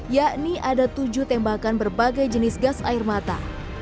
yakni ada tujuh tembakan berbagai jenis gas air mata